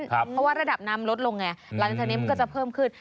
เพราะว่าระดับน้ำลดลงไงหลังจากนี้มันก็จะเพิ่มขึ้น